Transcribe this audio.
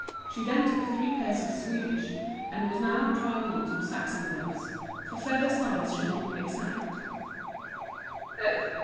She then took three pairs of Swedish, and was now trying on some Saxon gloves, for fear the size should not be exact.